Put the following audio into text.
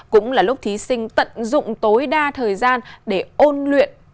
cũng là lúc thí sinh tận dụng tối đa thời gian để ôn luyện